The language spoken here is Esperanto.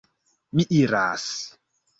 Mi iras!